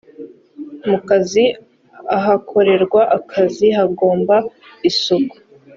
mu kazi ahakorerwa akazi hagomba isuku